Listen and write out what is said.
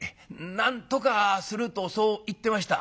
「『なんとかする』とそう言ってました」。